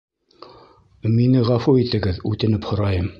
Мине ғәфү итегеҙ, үтенеп һорайым